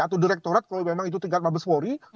atau direkturat kalau memang itu tingkat mabeswori